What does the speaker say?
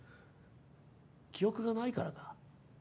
記憶がないからか？